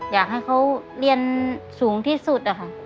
อยากให้เขาเรียนสูงที่สุดอะค่ะ